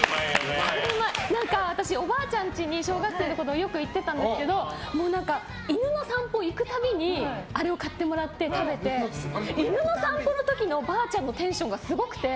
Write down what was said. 私、おばあちゃんちに小学生のころよく行ってたんですけど犬の散歩に行くたびにあれを買ってもらって食べて、犬の散歩の時のばあちゃんのテンションがすごくて。